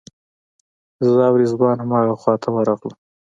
زه او رضوان همغه خواته ورغلو.